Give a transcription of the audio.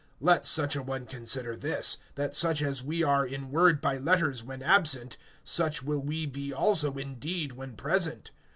(11)Let such a one consider this, that such as we are in word by letters when absent, such will we be also in deed when present.